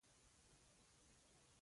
هغه چای چیکي.